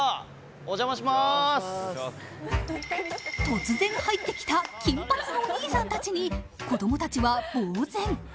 突然入ってきた金髪のお兄さんたちに子供たちはぼう然。